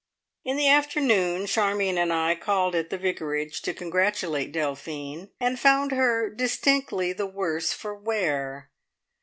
In the afternoon Charmion and I called at the vicarage to congratulate Delphine, and found her distinctly the worse for wear.